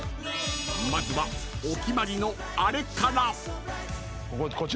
［まずはお決まりのあれから］